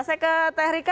saya ke teh rika